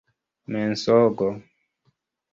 mensogo